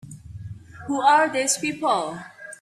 Who are these people?